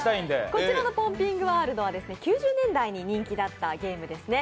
こちらの「ポンピングワールド」は９０年代に人気だったゲームですね。